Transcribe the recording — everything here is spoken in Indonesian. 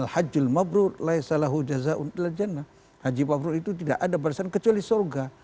haji mabrur itu tidak ada barisan kecuali surga